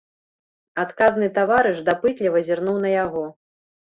Адказны таварыш дапытліва зірнуў на яго.